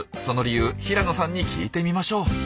その理由平野さんに聞いてみましょう。